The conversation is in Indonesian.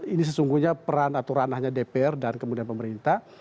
ini sesungguhnya peran aturan hanya dpr dan kemudian pemerintah